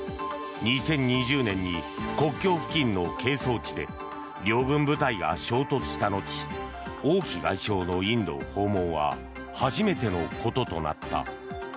２０２０年に国境付近の係争地で両軍部隊が衝突した後王毅外相のインド訪問は初めてのこととなった。